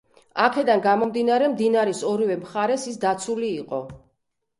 აქედან გამომდინარე, მდინარის ორივე მხარეს ის დაცული იყო.